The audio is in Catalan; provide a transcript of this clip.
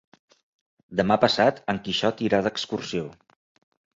Demà passat en Quixot irà d'excursió.